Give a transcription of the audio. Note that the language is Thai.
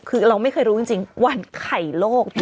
คือเราไม่เคยรู้จริงวันไข่โลกเนี่ย